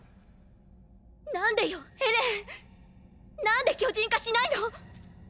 何でよエレン⁉何で巨人化しないの⁉